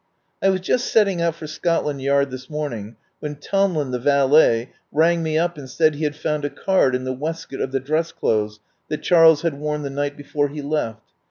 "I was just setting out for Scotland Yard this morning, when Tomlin, the valet, rang me up and said he had found a card in the waistcoat of the dress clothes that Charles had worn the night before he left.